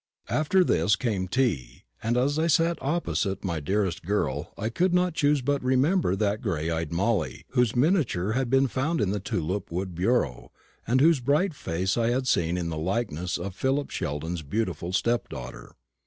After this came tea; and as I sat opposite my dearest girl I could not choose but remember that gray eyed Molly, whose miniature had been found in the tulip wood bureau, and in whose bright face I had seen the likeness of Philip Sheldon's beautiful stepdaughter.